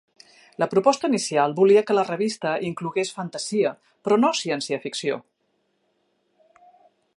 La proposta inicial volia que la revista inclogués fantasia, però no ciència-ficció.